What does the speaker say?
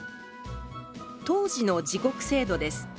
当時の時刻制度です。